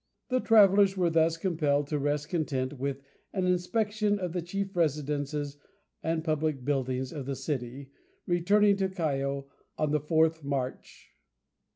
The travellers were thus compelled to rest content with an inspection of the chief residences and public buildings of the city, returning to Callao on the 4th March.